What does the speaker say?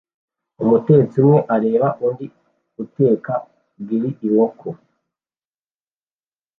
Umutetsi umwe areba undi uteka grill inkoko